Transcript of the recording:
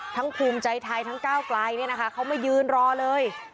ทั้งภูมิใจไทยทั้งก้าวไกลเขามายืนรอเลย